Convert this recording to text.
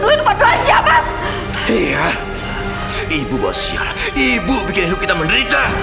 ibu bikin hidup kita menderita